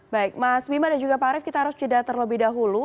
baik mas bima dan juga pak arief kita harus jeda terlebih dahulu